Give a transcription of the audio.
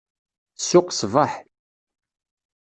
Ssuq ṣṣbeḥ.